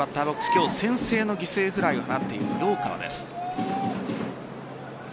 今日、先制の犠牲フライを放っている陽川です。